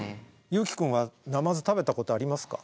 優樹くんはナマズ食べたことありますか？